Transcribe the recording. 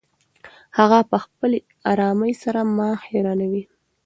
هغه په خپلې ارامۍ سره ما حیرانوي.